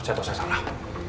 saya tahu saya salah